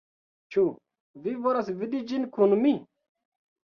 Ĉu vi volas vidi ĝin kun mi?